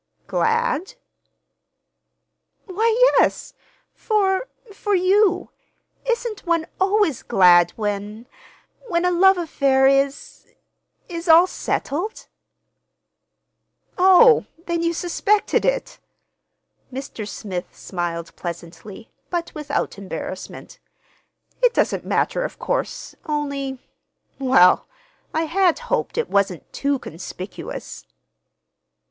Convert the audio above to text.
"Glad?" "Why, yes, for—for you. Isn't one always glad when—when a love affair is—is all settled?" "Oh, then you suspected it." Mr. Smith smiled pleasantly, but without embarrassment. "It doesn't matter, of course, only—well, I had hoped it wasn't too conspicuous."